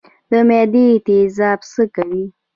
د معدې تیزاب څه کوي؟